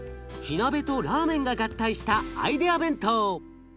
火鍋とラーメンが合体したアイデア弁当！